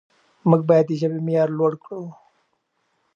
موږ باید د ژبې معیار لوړ کړو.